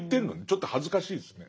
ちょっと恥ずかしいですね。